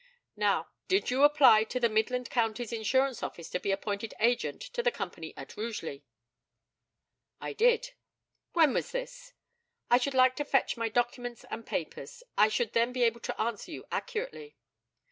] Now, did you apply to the Midland Counties Insurance Office to be appointed agent to the company at Rugeley? I did. When was it? I should like to fetch my documents and papers; I should then be able to answer you accurately.